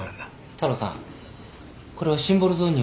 太郎さんこれはシンボルゾーンには置けないよ。